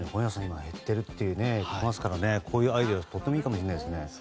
今、減っているといいますからねこういうアイデア、とってもいいかもしれないですね。